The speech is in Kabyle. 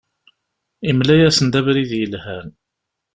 Yemla-asen-d abrid yelhan.